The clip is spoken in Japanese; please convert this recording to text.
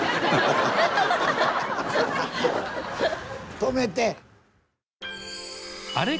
止めて！